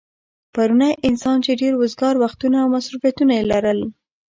پرونی انسان چې ډېر وزگار وختونه او مصروفيتونه يې لرل